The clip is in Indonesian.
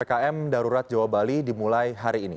ppkm darurat jawa bali dimulai hari ini